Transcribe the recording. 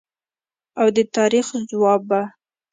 او د تاریخ ځواب به